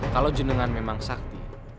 kalau jendengan memang sakti